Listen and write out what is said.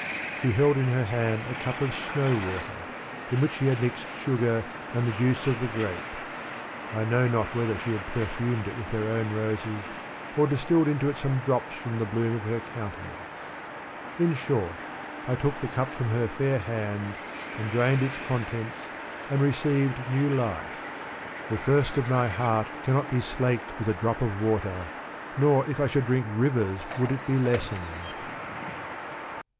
She held in her hand a cup of snow water, in which she had mixed sugar and the juice of the grape. I know not whether she had perfumed it with her own roses, or distilled into it some drops from the bloom of her countenance. In short, I took the cup from her fair hand, and drained its contents, and received new life. " 77tf thirst of my heart cannot be slaked with a drop of watery nor if I should drink rivers would it be lessened.